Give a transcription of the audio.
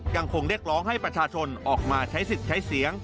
ยังคงเรียกร้องให้ประชาชนออกมาใช้สิทธิ์ใช้เสียง